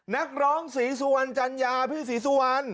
นักร้องศรีสุวรรณจัญญาพี่ศรีสุวรรณ